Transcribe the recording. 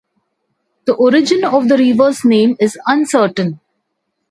The origin of the river's name is uncertain.